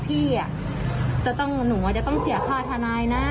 พี่จะต้องหนูว่าจะต้องเสียค่าธนายนะ